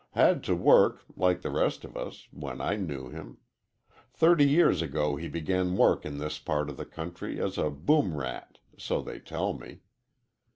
Had to work, like the rest of us, when I knew him. Thirty years ago he began work in this part of the country as a boom rat so they tell me.